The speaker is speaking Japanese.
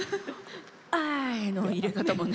「あい！」の入れ方もね。